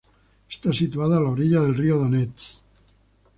Está situada a la orilla del río Donets.